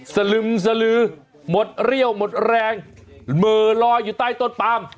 สลึมสลือหมดเรี่ยวหมดแรงเหม่อลอยอยู่ใต้ต้นปาม